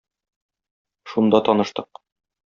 Шунда таныштык.